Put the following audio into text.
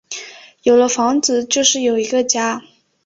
有了房子就是有一个家